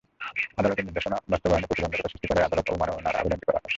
আদালতের নির্দেশনা বাস্তবায়নে প্রতিবন্ধকতা সৃষ্টি করায় আদালত অবমাননার আবেদনটি করা হয়।